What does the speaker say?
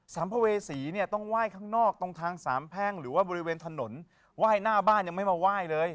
ัมภเวษีเนี่ยต้องไหว้ข้างนอกตรงทางสามแพ่งหรือว่าบริเวณถนนไหว้หน้าบ้านยังไม่มาไหว้เลย